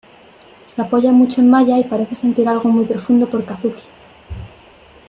Se apoya mucho en Maya y parece sentir algo muy profundo por Kazuki.